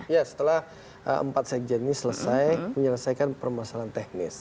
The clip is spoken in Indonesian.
ya setelah empat sekjen ini selesai menyelesaikan permasalahan teknis